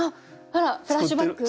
あらフラッシュバック？